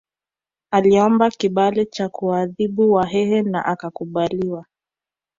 Aliomba kibali cha kuwaadhibu Wahehe na akakubaliwa